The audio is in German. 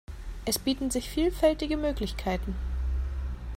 Es bieten sich vielfältige Möglichkeiten.